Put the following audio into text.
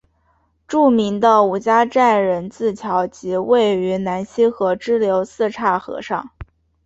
著名的五家寨人字桥即位于南溪河支流四岔河上。